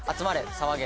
騒げ！